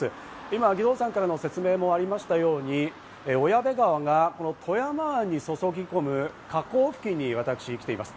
今、義堂さんからの説明もありましたように小矢部川が富山湾に注ぎ込む河口付近に私来ています。